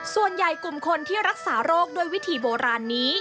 ส่วนใหญ่กลุ่มคนที่รักษาโรคด้วยวิธีโบราณนี้